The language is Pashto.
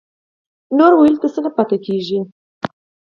نور ويلو ته څه نه پاتې کېږي.